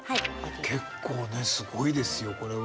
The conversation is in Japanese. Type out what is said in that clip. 結構ねすごいですよこれは。